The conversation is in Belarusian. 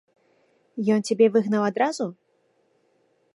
Ён цябе выгнаў адразу?